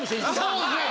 そうですね。